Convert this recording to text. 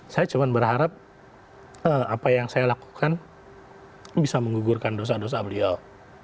saya cuma berharap apa yang saya lakukan bisa menggugurkan dosa dosa beliau